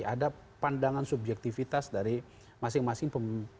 ada pandangan subjektivitas dari masing masing pemimpin